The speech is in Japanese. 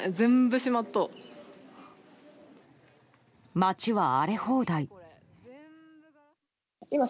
街は荒れ放題。